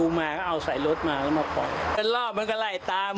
เราหาอะไรกินของกินแค่นั้น